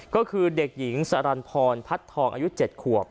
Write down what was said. ก็คือเด็กหญิงสรรพรพัดทองอายุ๗ขวบ